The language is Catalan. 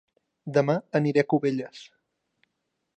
Dema aniré a Cubelles